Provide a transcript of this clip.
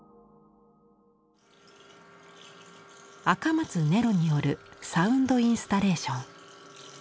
赤松音呂によるサウンドインスタレーション。